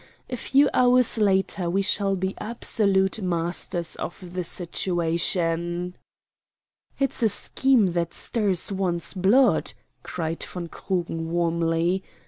A few hours later we shall be absolute masters of the situation." "It's a scheme that stirs one's blood," cried von Krugen warmly.